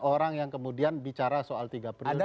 orang yang kemudian bicara soal tiga periode